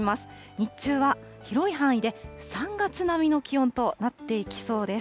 日中は広い範囲で３月並みの気温となっていきそうです。